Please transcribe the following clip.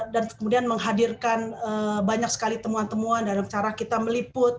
dan kemudian menghadirkan banyak sekali temuan temuan dalam cara kita meliput